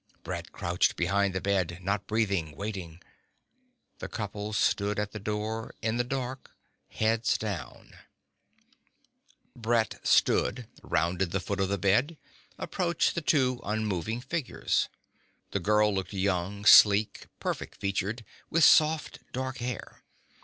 Brett crouched behind the bed, not breathing, waiting. The couple stood at the door, in the dark, heads down ...Brett stood, rounded the foot of the bed, approached the two unmoving figures. The girl looked young, sleek, perfect featured, with soft dark hair.